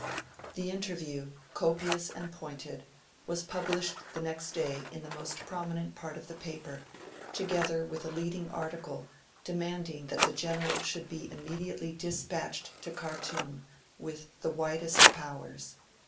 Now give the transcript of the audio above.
The interview, copious and pointed, was published next day in the most prominent part of the paper, together with a leading article, demanding that the General should be immediately dispatched to Khartoum with the widest powers.